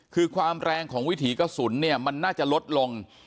คือความแรงของวิถีกระสุนเนี่ยมันน่าจะลดลง